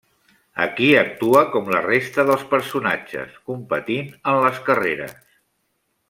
Aquí actua com la resta dels personatges, competint en les carreres.